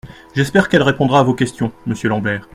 J’espère qu’elle répondra à vos questions, monsieur Lambert.